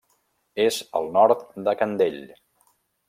És al nord de Candell.